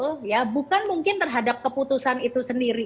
tetapi kekeraman yang muncul bukan mungkin terhadap keputusan itu sendiri